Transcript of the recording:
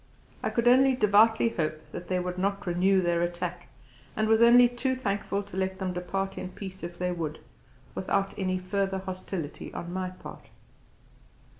I could only devoutly hope that they would not renew their attack, and was only too thankful to let them depart in peace if they would, without any further hostility on my part.